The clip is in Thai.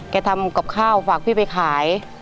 ทำกับข้าวฝากพี่ไปขาย